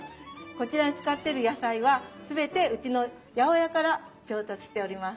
こちらに使ってる野菜は全てうちの八百屋から調達しております。